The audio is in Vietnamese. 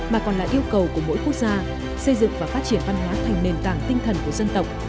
mà còn là yêu cầu của mỗi quốc gia xây dựng và phát triển văn hóa thành nền tảng tinh thần của dân tộc